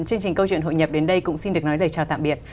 chương trình câu chuyện hội nhập đến đây cũng xin được nói lời chào tạm biệt